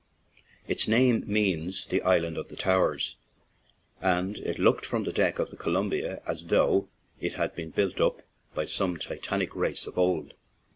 Its name means "the island of towers/' and it looked from the deck of the Columbia as though it had been built up by some titanic race of old.